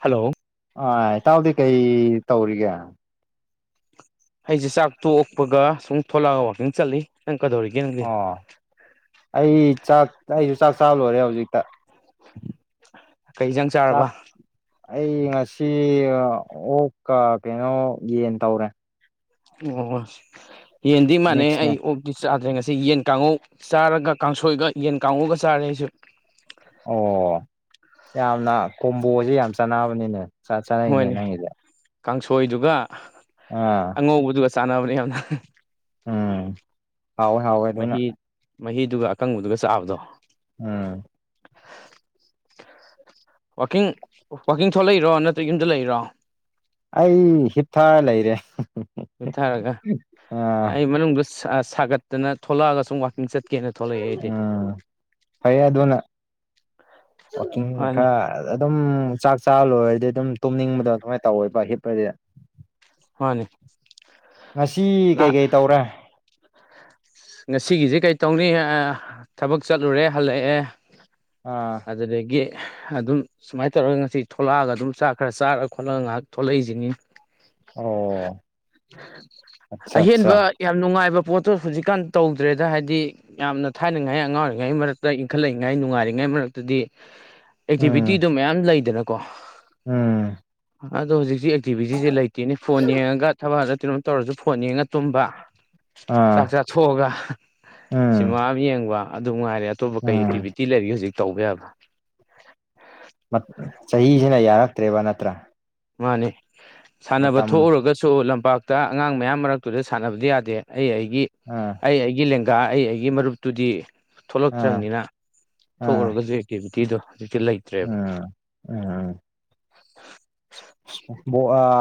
hello ꯑꯥ ꯏꯇꯥꯎꯗꯤ ꯀꯔꯤ ꯇꯧꯔꯤꯒꯦ ꯑꯩꯁꯦ ꯆꯥꯛ ꯇꯣꯛꯄꯒ ꯁꯨꯝ ꯊꯣꯛꯂꯛꯑꯒ ꯋꯥꯛꯀꯤꯡ ꯆꯠꯂꯤ ꯅꯪ ꯀꯗꯧꯔꯤꯒꯦ ꯑꯣ ꯑꯩ ꯆꯥꯛ ꯑꯩꯁꯨ ꯆꯥꯛ ꯆꯥꯕ ꯂꯣꯏꯔꯦ ꯍꯧꯖꯤꯛꯇ ꯀꯩ ꯏꯟꯖꯥꯡ ꯆꯥꯔꯕ ꯆꯥꯛ ꯑꯩ ꯉꯁꯤ ꯑꯣꯛꯀ ꯀꯩꯅꯣ ꯌꯦꯟ ꯇꯧꯔꯦ ꯑꯣ ꯌꯦꯟꯗꯤ ꯃꯥꯥꯅꯩ ꯑꯩ ꯃꯤꯛꯁꯅꯦ ꯑꯣꯛ ꯗꯤ ꯆꯥꯗ꯭ꯔꯦ ꯉꯁꯤ ꯌꯦꯟ ꯀꯥꯡꯉꯧ ꯆꯥꯔꯒ ꯀꯥꯡꯁꯣꯏꯒ ꯌꯦꯟ ꯀꯥꯡꯉꯧꯒ ꯆꯥꯔꯦ ꯑꯩꯁꯨ ꯑꯣ ꯌꯥꯝꯅ ꯀꯣꯝꯕꯣꯁꯦ ꯌꯥꯝ ꯆꯥꯟꯅꯕꯅꯤꯅꯦ ꯆ ꯆꯥꯅꯩꯅꯦ ꯍꯣꯏꯅꯦ ꯅꯪꯒꯤꯗꯤ ꯀꯥꯡꯁꯣꯏꯗꯨꯒ ꯑꯥ ꯑꯉꯧꯕꯗꯨꯒ ꯆꯥꯟꯅꯕꯅꯦ ꯌꯥꯝꯅ ꯎꯝ ꯍꯥꯎꯋꯦ ꯍꯥꯎꯋꯦ ꯑꯗꯨꯅ ꯃꯍꯤ ꯃꯍꯤꯗꯨꯒ ꯑꯀꯪꯕꯗꯨꯒ ꯆꯥꯕꯗꯣ ꯑꯥ ꯋꯥꯥꯛꯀꯤꯡ ꯋꯥꯥꯛꯀꯤꯡ ꯊꯣꯛꯂꯛꯏꯔꯣ ꯅꯠꯇ꯭ꯔꯒ ꯌꯨꯝꯗ ꯂꯩꯔꯣ ꯑꯩ ꯍꯤꯞꯊꯔ ꯂꯩꯔꯦ ꯃꯨꯠꯊꯔꯒ ꯑꯥ ꯑꯩ ꯃꯅꯨꯡꯗꯗꯨ ꯁꯥꯒꯠꯇꯅ ꯊꯣꯛꯂꯛꯑꯒ ꯁꯨꯝ ꯋꯥꯥꯛꯀꯤꯡ ꯆꯠ ꯎꯝ ꯐꯩꯌꯦ ꯑꯗꯨꯅ ꯋꯥꯀꯤꯡ ꯃꯥꯅꯤ ꯈꯔ ꯑꯗꯨꯝ ꯆꯥꯛ ꯆꯥꯔ ꯂꯣꯏꯔꯗꯤ ꯑꯗꯨꯝ ꯇꯨꯝꯅꯤꯡꯕꯗꯣ ꯑꯗꯨꯃꯥꯏ ꯇꯧꯋꯦꯕ ꯍꯤꯞꯄꯗꯤ ꯃꯥꯟꯅꯦ ꯉꯁꯤ ꯀꯩ ꯀꯩ ꯇꯧꯔꯦ ꯉꯁꯤꯒꯤꯁꯦ ꯀꯩꯇꯧꯅꯤ ꯊꯕꯛ ꯆꯠꯂꯨꯔꯦ ꯍꯜꯂꯛꯑꯦ ꯑꯥ ꯑꯗꯨꯗꯒꯤ ꯑꯗꯨꯝ ꯁꯨꯃꯥꯏ ꯇꯧꯔꯒ ꯉꯁꯤ ꯊꯣꯛꯂꯛꯑꯒ ꯑꯗꯨꯝ ꯆꯥꯛ ꯈꯔ ꯆꯥꯔꯒ ꯈꯣꯠꯂꯒ ꯉꯥꯏꯍꯥꯛ ꯊꯣꯛꯂꯛꯏꯁꯤꯅꯤ ꯑꯣ ꯑꯠꯆꯥ ꯑꯠꯆꯥ ꯑꯍꯦꯟꯕ ꯌꯥꯝ ꯅꯨꯡꯉꯥꯏꯕ ꯄꯣꯠꯇꯣ ꯍꯧꯖꯤꯛꯀꯥꯟ ꯇꯧꯗ꯭ꯔꯦꯗ ꯍꯥꯏꯗꯤ ꯌꯥꯝꯅ ꯊꯥꯏꯅꯉꯥꯏ ꯑꯉꯥꯡ ꯑꯣꯢꯔꯤꯉꯩ ꯃꯔꯛꯇ ꯏꯟꯈꯠꯂꯛꯏꯉꯩ ꯅꯨꯡꯉꯥꯏꯔꯤꯉꯩ ꯃꯔꯛꯇꯗꯤ ꯎꯝ ꯑꯦꯛꯇꯤꯚꯤꯇꯤꯗꯣ ꯃꯌꯥꯝ ꯂꯩꯗꯅꯀꯣ ꯎꯝ ꯑꯗꯣ ꯍꯧꯖꯤꯛꯁꯤ ꯑꯦꯛꯇꯤꯚꯤꯇꯤꯁꯦ ꯂꯩꯇꯦꯅꯦ ꯐꯣꯟ ꯌꯦꯡꯉꯒ ꯊꯕꯛ ꯍꯜꯂꯛꯑꯒ ꯀꯩꯅꯣꯝ ꯇꯧꯔꯁꯨ ꯐꯣꯟ ꯌꯦꯡꯉ ꯇꯨꯝꯕ ꯆꯥꯛ ꯑꯥ ꯆꯥꯊꯣꯛꯑꯒ ꯎꯝ ꯁꯤꯃ ꯌꯦꯡꯕ ꯑꯗꯨ ꯉꯥꯏꯔꯦ ꯑꯇꯣꯞꯄ ꯀꯩ ꯎꯝ ꯑꯦꯛꯇꯤꯚꯤꯇꯤ ꯂꯩꯔꯤꯒꯦ ꯍꯧꯖꯤꯛ ꯇꯧꯕ ꯌꯥꯕ ꯆꯍꯤꯁꯤꯅ ꯌꯥꯔꯛꯇ꯭ꯔꯦꯕ ꯅꯠꯇ꯭ꯔꯥ ꯃꯥꯟꯅꯦ ꯁꯥꯟꯅꯕ ꯃꯇꯝ ꯊꯣꯛꯎꯔꯒꯁꯨ ꯂꯝꯄꯥꯛ ꯇ ꯑꯉꯥꯡ ꯃꯌꯥꯝ ꯃꯔꯛꯇꯨꯗ ꯁꯥꯟꯅꯕꯗꯤ ꯌꯥꯗꯦ ꯑꯩ ꯑꯩꯒꯤ ꯑꯥ ꯑꯩ ꯑꯩꯒꯤ ꯂꯦꯡꯒꯥ ꯑꯩ ꯑꯩꯒꯤ ꯃꯔꯨꯞꯇꯨꯗꯤ ꯑꯥ ꯊꯣꯛꯂꯛꯇ꯭ꯔꯕꯅꯤꯅ ꯑꯥ ꯊꯣꯛꯎꯔꯒꯁꯨ ꯑꯦꯛꯇꯤꯚꯤꯇꯤꯗꯣ ꯍꯧꯖꯤꯛꯇꯤ ꯂꯩ ꯎꯝ ꯎꯝ ꯎꯝ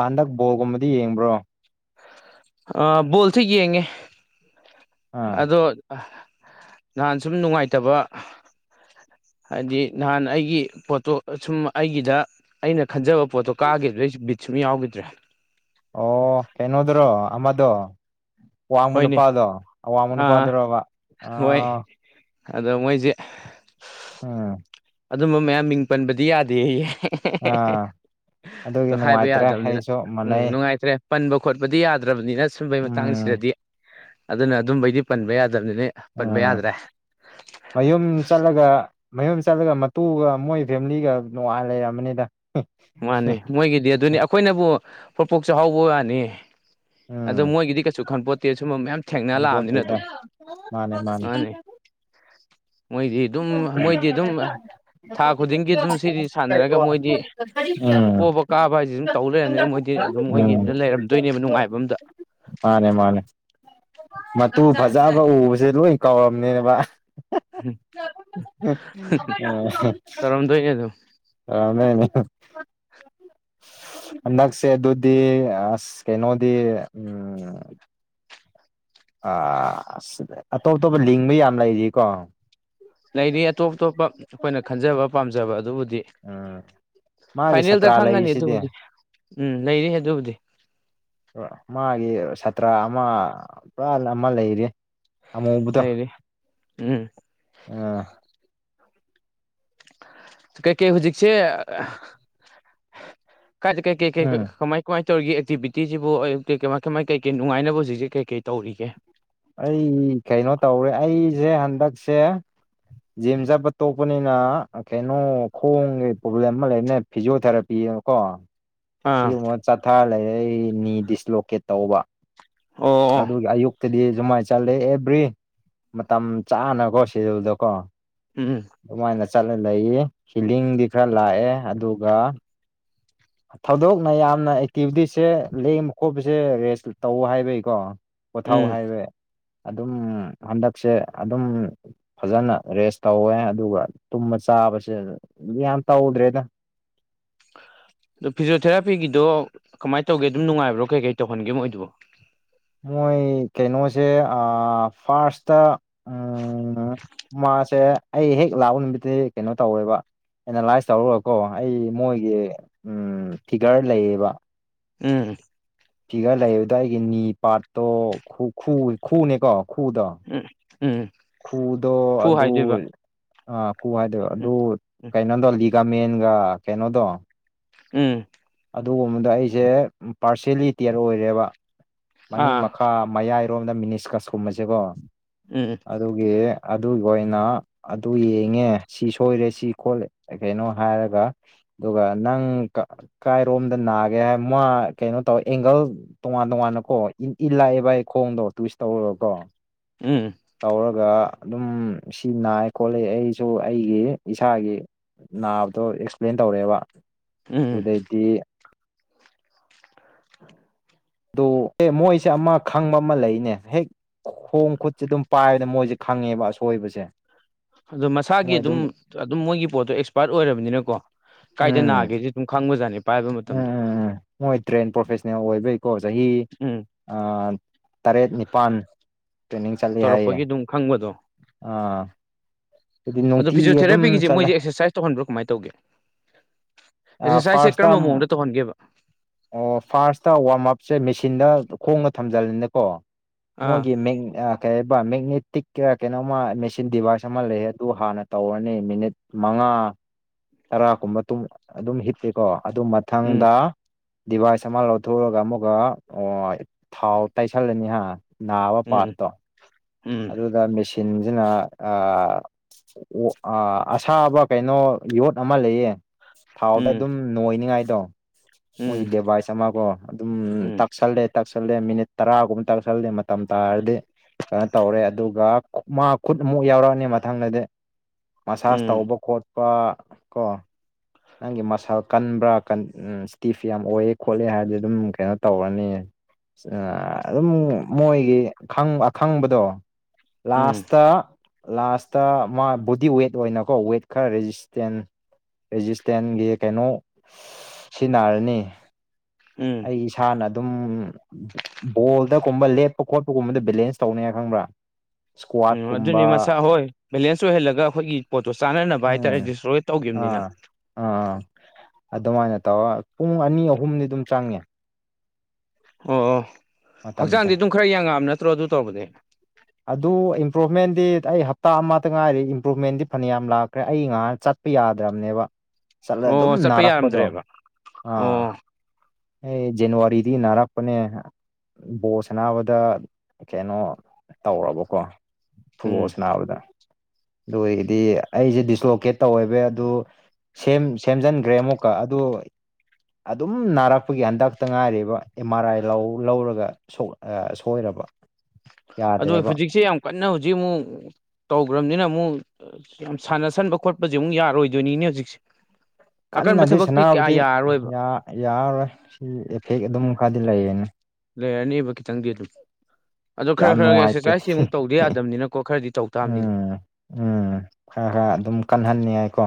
ꯑꯗ [inaudible] ꯕꯣꯜ ꯒꯨꯝꯕꯗꯤ ꯌꯦꯡꯕ꯭ꯔꯣ ꯑ ꯕꯪꯜꯁꯤ ꯌꯦꯡꯉꯦ ꯑꯥ ꯑꯗꯣ ꯅꯍꯥꯟ ꯁꯨꯝ ꯅꯨꯡꯉꯥꯏꯇꯕ ꯍꯥꯏꯗꯤ ꯅꯍꯥꯟ ꯑꯩꯒꯤ ꯄꯣꯇꯣ ꯁꯨꯝ ꯑꯩꯒꯤꯗ ꯑꯩꯅ ꯈꯟꯖꯕ ꯄꯣꯠꯇꯣ ꯀꯥꯈꯤꯕꯗꯩꯁꯨ ꯕꯤꯠ ꯁꯨꯝ ꯌꯥꯎꯈꯤꯗ꯭ꯔꯦ ꯑꯣ ꯀꯩꯅꯣꯗ꯭ꯔꯣ ꯑꯃꯃꯗꯣ ꯋꯥꯃꯅ ꯍꯣꯏꯅꯦ ꯄꯥꯗꯣ ꯋꯥꯃꯅ ꯑꯥ ꯄꯗꯨ ꯔꯣꯕ ꯑ ꯍꯣꯏ ꯑꯗꯣ ꯃꯣꯏꯁꯦ ꯑꯣ ꯑꯗꯨꯝꯕ ꯃꯌꯥꯝ ꯃꯤꯡ ꯄꯟꯕꯗꯤ ꯌꯥꯗꯦꯍꯦ ꯍꯦ ꯑꯥ ꯑꯗꯨꯒꯤ ꯍꯦ ꯍꯥꯏꯕ ꯅꯨꯡꯉꯥꯏꯇ꯭ꯔꯦ ꯌꯥꯗꯕꯅꯤꯅ ꯑꯩꯁꯨ ꯎꯝ ꯃꯥꯟꯅꯩ ꯅꯨꯡꯉꯥꯏꯇ꯭ꯔꯦ ꯄꯟꯕ ꯈꯣꯠꯄꯗꯤ ꯌꯥꯗ꯭ꯔꯕꯅꯤꯅ ꯁꯨꯝꯕꯩ ꯎꯝ ꯃꯇꯥꯡꯁꯤꯗꯗꯤ ꯑꯗꯨꯅ ꯑꯗꯨꯝꯕꯩꯗꯤ ꯄꯟꯕ ꯌꯥꯗꯕꯅꯤꯅ ꯄꯟꯕ ꯎꯝ ꯌꯥꯗ꯭ꯔꯦ ꯃꯌꯨꯝ ꯆꯠꯂꯒ ꯃꯌꯨꯝ ꯆꯠꯂꯒ ꯃꯇꯨꯒ ꯃꯣꯏ ꯐꯦꯃꯤꯂꯤꯒ ꯅꯨꯡꯉꯥꯢꯅ ꯂꯩꯔꯝꯃꯅꯤꯗ ꯃꯥꯅꯦ ꯃꯣꯏꯒꯤꯗꯤ ꯑꯗꯨꯅꯦ ꯑꯩꯈꯣꯏꯅꯕꯨ ꯄꯣꯛꯄꯣꯛ ꯆꯥꯛꯍꯧꯕꯩ ꯋꯥꯅꯤ ꯑꯗꯣ ꯎꯝ ꯃꯣꯏꯒꯤꯗꯤ ꯀꯩꯁꯨ ꯈꯟꯄꯣꯠꯇꯦ ꯁꯨꯝꯕ ꯃꯌꯥꯝ ꯊꯦꯡꯅ ꯂꯥꯛꯑꯕꯅꯤꯅ ꯉꯝꯄꯣꯠꯇꯦꯗ ꯑꯗꯨꯝ ꯃꯥꯅꯦ ꯃꯣꯏꯗꯤ ꯑꯗꯨꯝ ꯃꯣꯏꯗꯤ ꯑꯗꯨꯝ ꯊꯥ ꯈꯨꯗꯤꯡꯒꯤ ꯑꯗꯨꯝ ꯁꯤꯗꯤ ꯁꯥꯟꯅꯔꯒ ꯃꯣꯏꯗꯤ ꯎꯝ ꯄꯣꯕ ꯀꯥꯕ ꯍꯥꯏꯁꯦ ꯁꯨꯝ ꯇꯧ ꯂꯩꯔꯕꯅꯤꯅ ꯃꯣꯏꯗꯤ ꯑꯗꯨꯝ ꯃꯣꯏꯒꯤ ꯎꯝ ꯑꯝꯗ ꯂꯩꯔꯝꯗꯣꯏꯅꯦꯕ ꯅꯨꯡꯉꯥꯏꯕ ꯑꯝꯇ ꯃꯥꯅꯦ ꯃꯥꯅꯦ ꯃꯇꯨ ꯐꯖꯕ ꯎꯕꯁꯦ ꯂꯣꯏ ꯀꯧꯔꯝꯅꯤꯅꯦꯕ [unintelligible] ꯇꯧꯔꯝꯗꯣꯏꯅꯦ ꯑꯗꯨꯝ [unintelligible] ꯍꯟꯗꯛꯁꯦ ꯑꯗꯨꯗꯤ ꯑꯁ ꯀꯩꯅꯣꯗꯤ ꯎꯝ ꯑ ꯑꯇꯣꯞ ꯑꯇꯣꯞꯄ ꯂꯤꯡꯕ ꯌꯥꯝ ꯂꯩꯔꯤꯀꯣ ꯂꯩꯅꯤ ꯑꯇꯣꯞ ꯑꯇꯣꯞꯄ ꯑꯩꯈꯣꯏꯅ ꯈꯟꯖꯕ ꯄꯥꯝꯖꯕ ꯑꯗꯨꯕꯨꯗꯤ ꯎꯝ ꯃꯥꯒꯤ ꯐꯥꯏꯅꯦꯜꯗ ꯁꯥꯇ꯭ꯔꯥ ꯈꯪꯉꯅꯤ ꯂꯩꯔꯤꯁꯤꯗꯤ ꯑꯗꯨꯕꯨꯗꯤ ꯎꯝ ꯂꯩꯔꯤ ꯑꯗꯨꯕꯨꯗꯤ ꯃꯥꯒꯤ ꯁꯥꯇ꯭ꯔ ꯑꯃ ꯄꯨꯔꯥ ꯑꯃ ꯂꯩꯔꯤ ꯑꯃꯨꯕꯨꯗ ꯂꯩꯔꯤ ꯎꯝ ꯑ ꯀꯩꯀꯦ ꯍꯧꯖꯤꯛꯁꯦ ꯀꯥꯏꯖ ꯀꯩꯀꯦ ꯀ ꯎꯝ ꯀꯃꯥꯏ ꯀꯃꯥꯏ ꯇꯧꯔꯤꯒ ꯑꯦꯛꯇꯤꯕꯤꯇꯤꯁꯤꯕꯨ ꯀꯃꯥꯏ ꯀꯩꯀꯩ ꯅꯨꯡꯉꯥꯏꯅꯕ ꯍꯧꯖꯤꯛꯦ ꯀꯩꯀꯩ ꯇꯧꯔꯤꯒꯦ ꯑꯩ ꯀꯩꯅꯣ ꯇꯧꯔꯦ ꯑꯩꯁꯦ ꯍꯟꯗꯛꯁꯦ ꯖꯤꯝ ꯆꯠꯄ ꯇꯣꯛꯄꯅꯤꯅ ꯀꯩꯅꯣ ꯈꯣꯡꯒꯤ ꯄ꯭ꯔꯣꯕ꯭ꯂꯦꯝ ꯑꯃ ꯂꯩꯕꯅꯦ ꯐꯤꯖꯤꯣꯊꯦꯔꯥꯄꯤꯕ ꯀꯣ ꯑꯥ ꯁꯤꯒꯨꯝꯕ ꯆꯥꯊꯥꯔ ꯂꯩꯔ ꯑꯩ ꯅꯤ ꯗꯤꯁꯂꯣꯀꯦꯠ ꯇꯧꯕ ꯑꯣ ꯑꯣ ꯑꯗ ꯑꯌꯨꯛ ꯇꯗꯤ ꯁꯨꯃꯥꯏꯅ ꯆꯠꯂꯦ ꯑꯦꯕ꯭ꯔꯤ ꯃꯇꯝ ꯆꯥꯅꯀꯣ ꯁꯦꯗꯨꯜꯗꯣ ꯀꯣ ꯎꯝ ꯑꯗꯨꯃꯥꯏꯅ ꯆꯠꯂ ꯂꯩꯌꯦ ꯐꯤꯂꯤꯡꯗꯤ ꯈꯔ ꯂꯥꯛꯑꯦ ꯑꯗꯨꯒ ꯊꯧꯗꯣꯛꯅ ꯌꯥꯝꯅ ꯑꯦꯛꯇꯤꯚꯤꯇꯤꯁꯁꯦ ꯂꯦꯡꯕ ꯈꯣꯠꯄꯁꯦ ꯔꯦꯁ ꯇꯧ ꯍꯥꯏꯕꯩꯀꯣ ꯄꯣꯊꯧꯥꯎ ꯎꯝ ꯍꯥꯏꯔꯦ ꯑꯗꯨꯝ ꯍꯟꯗꯛꯁꯦ ꯑꯗꯨꯝ ꯐꯖꯅ ꯔꯦꯁ ꯇꯧꯋꯦ ꯑꯗꯨꯒ ꯇꯨꯝꯕ ꯆꯥꯕꯁꯦ ꯌꯥꯝ ꯇꯧꯗ꯭ꯔꯦꯗ ꯑꯗꯣ ꯐꯤꯖꯤꯣꯊꯦꯔꯥꯄꯤꯒꯤꯗꯣ ꯀꯃꯥꯏꯅ ꯇꯧꯒꯦ ꯑꯗꯨꯝꯅꯨꯡꯉꯥꯏꯕ꯭ꯔꯣ ꯀꯩ ꯀꯩ ꯇꯧꯍꯟꯒꯦ ꯃ ꯑꯣꯏꯗꯨꯕꯣ ꯃꯣꯏ ꯀꯩꯅꯣꯁꯦ ꯑ ꯐꯥꯔꯁꯇ ꯎꯝ ꯃꯥꯁꯦ ꯑꯩ ꯍꯦꯛ ꯂꯥꯛꯎ ꯅꯨꯃꯤꯠꯇꯗꯤ ꯀꯩꯅꯣ ꯇꯧꯋꯦꯕ ꯑꯦꯅꯥꯂꯥꯏꯁ ꯇꯧꯔꯨꯔꯀꯣ ꯑꯩ ꯃꯣꯏꯒꯤ ꯎ ꯐꯤꯒꯔ ꯂꯩꯌꯦꯕ ꯎꯝ ꯐꯤꯒꯔ ꯂꯩꯌꯦ ꯑꯗꯣ ꯑꯩꯒꯤ ꯅꯤ ꯄꯥꯠꯇꯣ ꯈꯨ ꯈꯨꯎꯅꯦꯀꯣ ꯈꯨꯗꯣ ꯎꯝ ꯎꯝ ꯈꯨꯗꯣ ꯈꯨ ꯍꯥꯏꯗꯣꯏꯕ ꯑꯗꯣꯏ ꯑꯥ ꯈꯨ ꯍꯥꯏꯗꯣ ꯎꯝ ꯑꯗꯨ ꯎꯝ ꯀꯩꯅꯣ ꯗꯣꯂꯤꯒꯥ ꯃꯦꯟꯒ ꯀꯩꯅꯣꯗꯣ ꯎꯝ ꯑꯗꯨꯒꯨꯝꯕꯗ ꯑꯩꯁꯦ ꯄꯥꯔꯁꯦꯂꯤꯇꯦꯌꯔ ꯑꯣꯏꯔꯦꯕ ꯃꯅꯤꯡ ꯑꯥ ꯃꯈꯥ ꯃꯌꯥꯏꯔꯣꯝꯗ ꯃꯤꯅꯤꯁꯀꯁ ꯀꯨꯝꯕꯁꯦꯀꯣ ꯎꯝ ꯑꯗꯨꯒꯤ ꯑꯗꯨꯏ ꯑꯣꯏꯅ ꯑꯗꯨ ꯌꯦꯡꯉꯦ ꯁꯤ ꯁꯣꯏꯔꯦ ꯁꯤ ꯈꯣꯠꯂꯦ ꯀꯩꯅꯣ ꯍꯥꯏꯔꯒ ꯑꯗꯨꯒ ꯅꯪ ꯀ ꯀꯥꯏꯔꯣꯝꯗ ꯅꯥꯒꯦ ꯍꯥꯏ ꯃꯥ ꯀꯩꯅꯣ ꯇꯧꯋꯦ ꯑꯦꯡꯒꯜ ꯇꯣꯉꯥꯟ ꯇꯣꯉꯥꯟꯅ ꯑꯣ ꯏ ꯏꯜ ꯂꯥꯛꯏ ꯚ ꯑꯩ ꯈꯣꯡꯗꯣ ꯇꯨꯏꯁ ꯇꯧꯔꯨꯔꯀꯣ ꯎꯝ ꯇꯧꯔꯒ ꯑꯗꯨꯝ ꯁꯤ ꯅꯥꯏ ꯈꯣꯠꯂꯤ ꯑꯩꯁꯨ ꯑꯩꯒꯤ ꯏꯁꯥꯒꯤ ꯅꯥꯕꯗꯣ ꯑꯦꯛꯁꯄ꯭ꯂꯦꯟ ꯇꯧꯔꯛꯑꯦꯕ ꯎꯝ ꯑꯗꯨꯗꯩꯗꯤ [inaudible] ꯑꯗꯨ ꯑꯦ ꯃꯣꯏꯁꯦ ꯑꯃ ꯈꯪꯕ ꯑꯃ ꯂꯩꯅꯦ ꯍꯦꯛ ꯈꯣꯡ ꯈꯨꯠꯁꯦ ꯑꯗꯨꯝ ꯄꯥꯏꯕꯗꯅ ꯃꯣꯏꯁꯦ ꯈꯪꯉꯦꯕ ꯑꯁꯣꯏꯕꯁꯦ ꯑꯗꯣ ꯃꯁꯥꯒꯤ ꯑꯗꯨꯝ ꯑꯗꯨꯝ ꯃꯣꯏꯒꯤ ꯄꯣꯠꯇꯣ ꯑꯦꯛꯁꯄꯥꯔꯠ ꯑꯣꯏꯔꯕꯅꯤꯅꯀꯣ ꯀꯥꯏꯗ ꯎꯝ ꯅꯒꯦꯁꯦ ꯗꯨꯝ ꯈꯪꯕꯖꯅꯤ ꯎꯝ ꯎꯝ ꯎꯝ ꯃꯣꯏ ꯇ꯭ꯔꯦꯟ ꯄ꯭ꯔꯣꯐꯦꯁꯅꯦꯜ ꯑꯣꯏꯕꯩꯀꯣ ꯆꯍꯤ ꯎꯝ ꯇꯔꯦꯠ ꯅꯤꯄꯥꯜ ꯇ꯭ꯔꯦꯅꯤꯡ ꯆꯠꯂꯤ ꯍꯥꯏꯌꯦ ꯇꯧꯔꯛꯄꯒꯤ ꯑꯗꯨꯝ ꯈꯪꯕꯗꯣ ꯑꯥ ꯑꯗꯨꯗꯤ ꯑꯗꯣ ꯅꯨꯡꯇꯤꯒꯤ ꯑꯗꯨꯝ ꯐꯤꯖꯤꯌꯣꯊꯦꯔꯥꯄꯤꯒꯤꯁꯦ ꯆꯠꯂꯦ ꯃꯣꯏꯁꯦ ꯑꯦꯛꯁꯔꯁꯥꯏꯁ ꯇꯧꯍꯟꯕ꯭ꯔꯣ ꯀꯃꯥꯏ ꯇꯧꯒꯦ ꯑꯦꯛꯁꯔꯁꯥꯏꯖꯁꯦ ꯐꯥꯔꯁꯇ ꯀꯔꯝꯕ ꯃꯑꯣꯡꯗ ꯇꯧꯍꯟꯒꯦꯕ ꯑꯣ ꯐꯥꯔꯁꯇ ꯋꯥꯔꯝ ꯑꯞꯁꯦ ꯃꯦꯆꯤꯟꯗ ꯈꯣꯡꯅ ꯊꯝꯖꯜꯂꯤꯅꯦꯀꯣ ꯑꯥ ꯃꯣꯏꯒꯤ ꯃꯤꯡ ꯑꯥ ꯀꯩꯕ ꯃꯦꯒꯅꯦꯇꯤꯛ ꯀꯩꯅꯣꯃ ꯃꯦꯆꯤꯟ ꯗꯤꯚꯥꯏꯁ ꯑꯃ ꯂꯩꯌꯦ ꯑꯗꯨ ꯍꯥꯟꯅ ꯇꯧꯔꯅꯤ ꯃꯤꯅꯤꯠ ꯃꯉꯥ ꯇꯔꯥꯒꯨꯝꯕ ꯇꯨ ꯑꯗꯨꯝ ꯍꯤꯞꯄꯦꯀꯣ ꯑꯗꯨꯏ ꯎꯝ ꯃꯊꯪꯗ ꯗꯤꯚꯥꯏꯁ ꯑꯃ ꯂꯧꯊꯣꯛꯑꯒ ꯑꯃꯨꯛꯀ ꯑꯣ ꯊꯥꯎ ꯇꯩꯏꯁꯤꯜꯂꯅꯤ ꯍꯥ ꯅꯥꯕ ꯎꯝ ꯄꯥꯠꯇꯣ [unintelligible] ꯎꯝ [unintelligible] ꯃꯦꯁꯤꯟꯁꯤꯅ ꯑꯥ ꯑꯣ ꯑꯁꯥꯕ ꯀꯩꯅꯣ ꯌꯣꯠ ꯑꯃ ꯂꯩꯌꯦ ꯊꯥꯎꯗ ꯎꯝ ꯑꯗꯨꯝ ꯅꯣꯏꯅꯤꯉꯥꯏꯗꯣ ꯎꯝ ꯃꯣꯏꯒꯤ ꯎꯝ ꯗꯦꯚꯥꯏꯁ ꯑꯃꯀꯣ ꯑꯗꯨꯝ ꯇꯛꯁꯜꯂꯦ ꯇꯛꯁꯜꯂꯦ ꯃꯤꯅꯤꯠ ꯇꯔꯥꯒꯨꯝꯕ ꯇꯛꯁꯜꯂꯦ ꯃꯇꯝ ꯇꯥꯔꯗꯤ ꯀꯩꯅꯣ ꯇꯧꯔꯦ ꯑꯗꯨꯒ ꯃꯥ ꯈꯨꯠ ꯑꯃꯨꯛ ꯌꯥꯎꯔꯛꯑꯅꯤ ꯃꯊꯪꯗꯗꯤ ꯃꯁꯥꯁ ꯎꯝ ꯇꯧꯕ ꯈꯣꯠꯄ ꯀꯣ ꯅꯪꯒꯤ ꯃꯁꯟ ꯀꯟꯕ꯭ꯔꯥ ꯀꯟ ꯎꯝ ꯏꯁꯇꯤꯐ ꯌꯥꯝ ꯑꯣꯏꯑꯦ ꯈꯣꯠꯂꯦ ꯍꯥꯏꯔꯗꯤ ꯑꯗꯨꯝ ꯀꯩꯅꯣ ꯇꯧꯔꯅꯤ ꯑ ꯑꯗꯨꯝ ꯃꯣꯏꯒꯤ ꯈꯪ ꯑꯈꯪꯕꯗꯣ ꯎꯝ ꯂꯥꯥꯁꯇ ꯂꯥꯁꯇ ꯃꯥ ꯕꯣꯗꯤ ꯋꯦꯠ ꯑꯣꯏꯅꯀꯣ ꯋꯦꯠ ꯈꯔ ꯔꯦꯖꯤꯁꯇꯦꯟ ꯔꯦꯖꯤꯁꯇꯦꯟꯒꯤ ꯀꯩꯅꯣ [unintelligible] ꯁꯤꯖꯤꯟꯅꯔꯅꯤ ꯎꯝ ꯑꯩ ꯏꯁꯥꯅ ꯑꯗꯨꯝ ꯕꯣꯜꯗꯒꯨꯝꯕ ꯂꯦꯞꯄ ꯈꯣꯠꯄꯒꯨꯝꯕꯗ ꯕꯦꯂꯦꯟꯁ ꯇꯧꯅꯤꯉꯥꯏ ꯈꯪꯕ꯭ꯔꯥ ꯎꯝ ꯑꯗꯨꯅꯤ ꯏꯁꯀ꯭ꯋꯥꯠꯀꯨꯝꯕ ꯃꯁꯥ ꯍꯣꯏ ꯕꯦꯂꯦꯟꯁ ꯑꯣꯏꯍꯜꯂꯒ ꯑꯩꯈꯣꯏꯒꯤ ꯄꯣꯠꯇꯣ ꯆꯥꯅꯅꯕ ꯎꯝ ꯍꯥꯏꯇꯥꯔꯦ ꯗꯤꯁꯇ꯭ꯔꯣꯏ ꯇꯧꯒꯤꯕꯅꯤꯅ ꯑꯥ ꯑꯥ ꯑꯗꯨꯃꯥꯏꯅ ꯇꯧꯔ ꯄꯨꯡ ꯑꯅꯤ ꯑꯍꯨꯝꯗꯤ ꯑꯗꯨꯝ ꯆꯪꯉꯦ ꯑꯣ ꯑꯣ ꯃꯇꯝꯁꯦ ꯍꯛꯆꯥꯡꯗꯤ ꯑꯗꯨꯝ ꯈꯔ ꯌꯥꯡꯉꯛꯑꯕ ꯅꯠꯇ꯭ꯔꯣ ꯑꯗꯨ ꯇꯧꯕꯗꯩ ꯑꯗꯨ ꯏꯝꯄ꯭ꯔꯨꯚꯃꯦꯟꯗꯤ ꯑꯩ ꯍꯞꯇꯥ ꯑꯃꯇ ꯉꯥꯏꯔꯤ ꯏꯝꯄ꯭ꯔꯨꯚꯃꯦꯟꯗꯤ ꯐꯅꯌꯥꯝ ꯂꯥꯛꯈ꯭ꯔꯦ ꯑꯩ ꯉꯍꯥꯟ ꯆꯠ ꯆꯠꯄ ꯌꯥꯗ꯭ꯔꯕꯅꯦꯕ ꯆꯠꯂ ꯑꯣ ꯑꯗꯨꯝ ꯆꯠꯄ ꯅꯥꯔꯛꯄꯗꯣ ꯌꯥꯔꯝꯗ꯭ꯔꯦꯕ ꯑꯣ ꯑꯥ ꯑꯩ ꯖꯅꯋꯥꯔꯤꯗꯒꯤ ꯅꯥꯔꯛꯄꯅꯦ ꯕꯣꯟ ꯁꯥꯅꯕꯗ ꯀꯩꯅꯣ ꯇꯧꯔꯕꯀꯣ ꯎꯝ ꯐꯨꯕꯣꯜꯁ ꯅꯥꯕꯗ ꯑꯗꯨ ꯑꯣꯏꯒꯤꯗꯤ ꯑꯩꯁꯦ ꯗꯤꯁꯂꯣꯀꯦꯠ ꯇꯧꯋꯦꯕ ꯑꯗꯨ ꯁꯦꯝ ꯁꯦꯝꯖꯤꯟꯈ꯭ꯔꯦ ꯑꯃꯨꯛꯀ ꯑꯗꯨ ꯑꯗꯨꯝ ꯅꯥꯔꯛꯄꯒꯤ ꯍꯟꯗꯛꯇ ꯉꯥꯏꯔꯤꯕ ꯑꯦꯝ ꯑꯥꯔ ꯑꯥꯏ ꯂꯧꯔꯒ ꯁꯣꯏꯔꯕ ꯑꯗꯣ ꯌꯥꯗ꯭ꯔꯦꯕ ꯍꯧꯖꯤꯛꯁꯦ ꯌꯥꯝ ꯀꯟꯅ ꯍꯧꯖꯤꯛ ꯑꯃꯨꯛ ꯇꯧꯈ꯭ꯔꯕꯅꯤꯅ ꯑꯃꯨꯛ ꯌꯥꯝ ꯁꯥꯟꯅꯁꯟꯕ ꯈꯣꯠꯄꯁꯦ ꯑꯃꯨꯛ ꯌꯥꯔꯣꯏꯗꯣꯏꯅꯤꯅꯦ ꯍꯧꯖꯤꯛꯁꯦ ꯑꯀꯟꯕ ꯀꯟꯅꯗꯤ ꯊꯕꯛꯇꯤ ꯀꯌꯥ ꯁꯥꯟꯕꯨꯗꯤ ꯌꯥꯔꯔꯣꯏꯕ ꯌꯥꯔꯔꯣꯏ ꯁꯤ ꯏꯐꯦꯛ ꯑꯗꯨꯝ ꯈꯔꯗꯤ ꯂꯩꯌꯦꯅ ꯂꯩ ꯑꯅꯤꯕ ꯆꯪꯤ ꯌꯥꯝ ꯅꯨꯡꯉꯥꯏꯇꯦ ꯑꯃꯨꯛ ꯇꯧꯗ [unintelligible] ꯌꯥꯗꯕꯅꯤꯅꯀꯣ ꯈꯔꯗꯤ ꯇꯧ ꯇꯥꯕꯅꯤ ꯎꯝ ꯎꯝ ꯈꯔ ꯈꯔ ꯑꯗꯨꯝ ꯀꯟꯍꯟꯅꯤꯡꯉꯥꯏꯀꯣ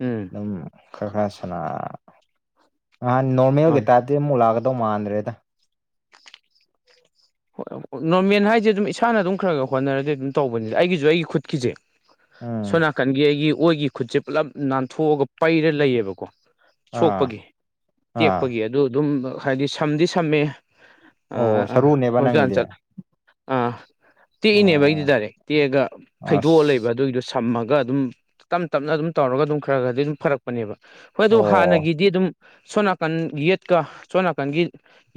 ꯎꯝ ꯎꯝ ꯈꯔ ꯈꯁꯅꯥ ꯉꯍꯥꯟ ꯅꯣꯔꯃꯦꯜꯒ ꯃꯥꯅꯦ ꯇꯥꯏꯞꯇ [unintelligible] ꯃꯨꯂꯥꯒꯗꯧ ꯃꯥꯥꯟꯗ꯭ꯔꯦꯗ ꯍꯣꯏ ꯅꯣꯔꯃꯦꯜ ꯍꯥꯏꯁꯦ ꯑꯗꯨꯝ ꯏꯁꯥꯅ ꯑꯗꯨꯝ ꯈꯔ ꯈꯔ ꯍꯣꯠꯅꯔꯗꯤ ꯑꯗꯨꯝ ꯇꯧꯕꯅꯤꯗ ꯑꯩꯒꯤꯁꯨ ꯑꯩꯒꯤ ꯈꯨꯠꯀꯤꯖꯦ ꯎꯝ ꯁꯣꯝ ꯅꯥꯀꯟꯒꯤ ꯑꯩꯒꯤ ꯑꯣꯏꯒꯤ ꯈꯨꯠꯁꯦ ꯄꯨꯜꯂꯞ ꯅꯥꯟꯊꯣꯛꯑꯒ ꯄꯩꯔ ꯂꯩꯌꯦꯕꯀꯣ ꯑꯥ ꯁꯣꯛꯄꯒꯤ ꯑꯥ ꯇꯦꯛꯄꯒꯤ ꯑꯗꯨ ꯑꯗꯨꯝ ꯍꯥꯏꯗꯤ ꯁꯝꯗꯤ ꯁꯝꯃꯦ ꯑꯣ ꯁꯔꯨꯅꯦ ꯍꯟꯁꯨꯟ ꯆꯠ ꯑꯥ ꯇꯦꯛꯏꯅꯦꯕ ꯑꯩꯗꯤ ꯑꯣ ꯇꯔꯦ ꯇꯦꯛꯑꯒ ꯐꯩꯗꯣꯛꯑ ꯂꯩꯕ ꯑꯁ ꯑꯗꯨꯏꯗꯨꯁꯨ ꯁꯝꯃꯒ ꯑꯗꯨꯝ ꯇꯞꯅ ꯇꯞꯅ ꯑꯗꯨꯝ ꯇꯧꯔꯒ ꯑꯗꯨꯝ ꯈꯔ ꯈꯔꯗꯤ ꯑꯗꯨꯝ ꯐꯔꯛ ꯅꯦꯕ ꯍꯣꯏ ꯑꯗꯨ ꯑꯣ ꯍꯥꯟꯅꯒꯤꯗꯤ ꯑꯗꯨꯝ ꯁꯣ ꯅꯥꯀꯟ ꯌꯦꯠꯀ ꯁꯣꯝ ꯅꯥꯀꯟꯒꯤ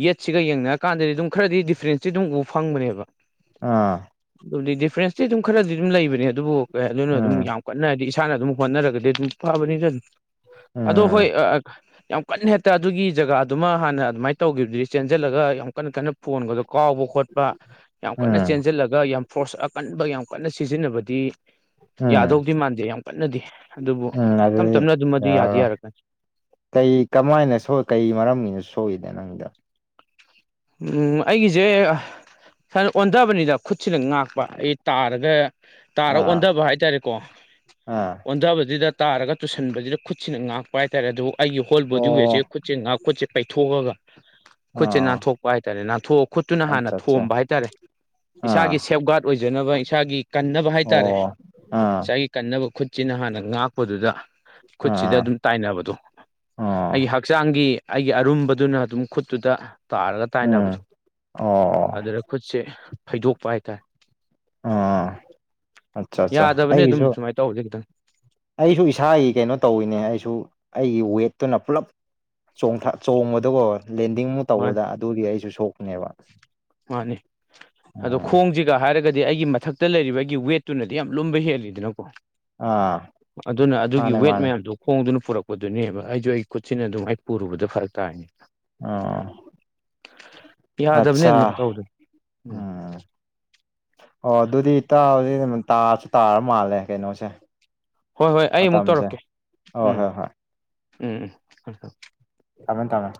ꯌꯦꯠꯁꯤꯒ ꯌꯦꯡꯅꯔꯀꯥꯟꯗꯗꯤ ꯑꯗꯨꯝ ꯈꯔꯗꯤꯗꯤ ꯐꯁ꯭ꯔꯦꯟꯁꯦ ꯑꯗꯨꯝ ꯎꯕ ꯐꯪꯕꯅꯦꯕ ꯑꯥ ꯑꯗꯨꯗꯤ ꯗꯤꯐ꯭ꯔꯦꯟꯁꯇꯤ ꯑꯗꯨꯝ ꯈꯔꯗꯤ ꯑꯗꯨꯝ ꯂꯩꯕꯅꯦ ꯑꯗꯨꯕꯨ ꯀꯩ ꯑꯗꯨꯅ ꯑꯗꯨꯝ ꯎꯝ ꯌꯥꯝ ꯀꯟꯅ ꯍꯥꯏꯗꯤ ꯏꯁꯥꯅ ꯑꯗꯨꯝ ꯍꯣꯠꯅꯔꯒꯗꯤ ꯑꯗꯨꯝ ꯐꯕꯅꯤꯗ ꯑꯗꯣ ꯎꯝ ꯍꯣꯏ ꯌꯥꯝ ꯀꯟꯅ ꯍꯦꯛꯇ ꯑꯗꯨꯒꯤ ꯖꯒꯥꯗꯨꯃ ꯍꯥꯟꯅ ꯑꯗꯨꯃꯥꯏꯅ ꯇꯧꯈꯤꯕꯗꯨꯗꯤ ꯆꯦꯟꯁꯤꯜꯂꯒ ꯌꯥꯝ ꯀꯟꯅ ꯀꯟꯅ ꯐꯣꯟꯒꯗꯕ ꯀꯥꯎꯕ ꯈꯣꯠꯄ ꯌꯥꯝ ꯀꯟꯅ ꯎꯝ ꯆꯦꯟꯁꯤꯜꯂꯒ ꯌꯥꯝ ꯐꯣꯔꯁ ꯑꯀꯟꯕ ꯌꯥꯝ ꯀꯟꯅ ꯁꯤꯖꯤꯟꯅꯕꯗꯤ ꯎꯝ ꯌꯥꯗꯧꯗꯤ ꯃꯥꯟꯗꯦ ꯌꯥꯝ ꯀꯟꯅꯗꯤ ꯑꯗꯨꯕꯨ ꯎꯝ ꯇꯞ ꯑꯗꯨꯗꯤ ꯆꯞꯅ ꯑꯗꯨꯝ ꯑꯗꯨ ꯌꯥꯗꯦ ꯌꯥꯔꯔꯣꯏ ꯌꯥꯔꯛꯀꯅꯤ ꯀꯩ ꯀꯃꯥꯏꯅ ꯁꯏ ꯀꯩ ꯃꯔꯝꯒꯤꯅꯣ ꯁꯣꯛꯏꯗ ꯅꯪꯗ ꯎꯝ ꯑꯩꯒꯤꯁꯦ ꯁ ꯑꯣꯟꯊꯕꯅꯤꯗ ꯈꯨꯠꯁꯤꯗ ꯉꯥꯛꯄ ꯑꯩ ꯇꯥꯔꯒ ꯇꯥꯔꯒ ꯑꯥ ꯑꯣꯟꯊꯕ ꯍꯥꯏꯇꯥꯔꯦꯀꯣ ꯑꯥ ꯑꯣꯟꯊꯕꯁꯤꯗ ꯇꯥꯔꯒ ꯇꯨꯁꯟꯕꯕꯁꯤꯗ ꯈꯨꯠꯁꯤꯅ ꯉꯥꯛꯄ ꯍꯥꯏꯇꯥꯔꯦ ꯑꯗꯨꯕꯨ ꯑꯩꯒꯤ ꯍꯣꯜ ꯕꯣꯗꯤꯋꯦꯠꯁꯦ ꯑꯣ ꯈꯨꯠꯁꯦ ꯉꯥꯛ ꯈꯨꯠꯁꯦ ꯄꯩꯊꯣꯛꯑꯒ ꯈꯨꯠꯁꯦ ꯑꯥ ꯅꯥꯟꯊꯣꯛꯄ ꯍꯥꯏꯇꯥꯔꯦ ꯅꯥꯟꯊꯣꯛꯑ ꯈꯨꯠꯇꯨꯅ ꯍꯥꯟꯅ ꯑꯠꯆꯥ ꯑꯠꯆꯥ ꯊꯣꯝꯕ ꯍꯥꯏꯇꯥꯔꯦ ꯑꯥ ꯏꯁꯥꯒꯤ ꯁꯦꯞ ꯒꯥꯔꯗ ꯑꯣꯏꯖꯅꯕ ꯏꯁꯥꯒꯤ ꯀꯟꯅꯕ ꯍꯥꯏꯇꯥꯔꯦ ꯑꯣ ꯑꯥ ꯒꯤ ꯀꯟꯅꯕ ꯈꯨꯠꯁꯤꯅ ꯍꯥꯟꯅ ꯉꯥꯛꯄꯗꯨꯗ ꯈꯨꯠꯁꯤꯗ ꯑꯥ ꯑꯗꯨꯝ ꯇꯥꯏꯅꯕꯗꯣ ꯑꯣ ꯑꯩꯒꯤ ꯍꯛꯆꯥꯡꯒꯤ ꯑꯩꯒꯤ ꯑꯔꯨꯝꯕꯗꯨꯅ ꯑꯗꯨꯝ ꯈꯨꯠꯇꯨꯗ ꯇꯥꯔꯒ ꯎꯝ ꯀꯥꯏꯅꯕꯗꯣ ꯑꯣ ꯑꯗꯨꯗ ꯈꯨꯠꯁꯦ ꯐꯩꯗꯣꯛꯄ ꯍꯥꯏꯇꯥꯔꯦ ꯑꯥ ꯑꯠꯆꯥ ꯑꯠꯆꯥ ꯌꯥꯗꯕꯅꯤ ꯑꯗꯨꯝ ꯑꯩꯒꯤꯁꯨ ꯁꯨꯃꯥꯏꯅ ꯇꯧꯍꯁꯦ ꯈꯤꯇꯪ ꯑꯩꯁꯨ ꯏꯁꯥꯒꯤ ꯀꯩꯅꯣ ꯇꯧꯋꯤꯅꯦ ꯑꯩꯁꯨ ꯑꯩꯒꯤ ꯋꯦꯠꯇꯨꯅ ꯄꯨꯂꯞ ꯣꯡ ꯆꯣꯡꯕꯗꯀꯣ ꯂꯦꯟꯗꯤꯡ ꯃꯥꯅꯤ ꯇꯧꯕꯗ ꯑꯗꯨꯒꯤ ꯑꯩꯁꯨ ꯁꯣꯛꯄꯅꯦꯕ ꯎꯝ ꯑꯩꯒ ꯍꯥꯏꯔꯒꯗꯤ ꯑꯩꯒꯤ ꯃꯊꯛꯇ ꯂꯩꯔꯤꯕ ꯑꯩꯒꯤ ꯋꯦꯠꯇꯨꯅꯗꯤ ꯌꯥꯝ ꯂꯨꯝꯕ ꯍꯦꯜꯂꯤꯗꯅꯀꯣ ꯑꯥ ꯑꯗꯨꯅ ꯑꯗꯨꯒꯤ ꯃꯥꯅꯦ ꯋꯦꯠ ꯃꯥꯅꯦ ꯃꯌꯥꯝꯗꯣ ꯍꯣꯡꯗꯨꯅ ꯄꯨꯔꯛꯄꯗꯨꯅꯦꯕ ꯑꯩꯁꯨ ꯑꯩ ꯈꯨꯠꯁꯤꯅ ꯑꯗꯨꯝ ꯑꯩ ꯄꯨꯔꯨꯕꯗ ꯐꯔꯛ ꯇꯥꯏꯅꯦ ꯑꯣ ꯌꯥꯗꯕꯅꯦ ꯑꯗꯨꯃꯥꯏꯅ ꯑꯆꯥ ꯇꯧꯕꯗꯣ ꯎꯝ ꯑꯣ ꯑꯗꯨꯗꯤ ꯇꯗꯤ ꯇꯥꯔꯁꯨ ꯇꯥꯔ ꯃꯥꯜꯂꯦ ꯀꯩꯅꯣꯁꯦ ꯍꯣꯏ ꯍꯣꯏ ꯑꯩ ꯑꯃꯨꯛ ꯃꯇꯝꯁꯦ ꯇꯧꯔꯛꯀꯦ ꯍꯣꯏ ꯎꯝ ꯍꯣꯏ ꯍꯣꯏ ꯎꯝ ꯎꯝ ꯍꯝ ꯊꯝ ꯊꯥꯝꯃꯦ ꯊꯥꯝꯃꯦ